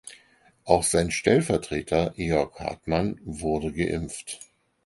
Auch sein Stellvertreter Jörg Hartmann wurde geimpft.